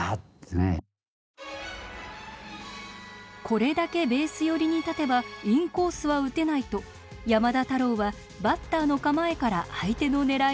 これだけベース寄りに立てばインコースは打てないと山田太郎はバッターの構えから相手のねらいを推理し